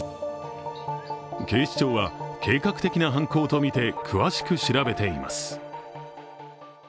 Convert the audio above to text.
警視庁は、計画的な犯行とみて詳しく調べています。